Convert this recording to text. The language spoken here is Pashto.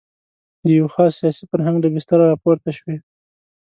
د یوه خاص سیاسي فرهنګ له بستره راپورته شوې.